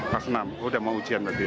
kelas enam udah mau ujian lagi ya